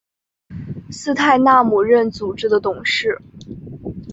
斯泰纳姆任组织的董事。